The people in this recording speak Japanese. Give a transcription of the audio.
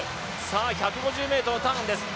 １５０ｍのターンです。